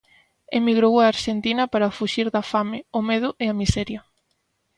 Emigrou á Arxentina para fuxir da fame, o medo e a miseria.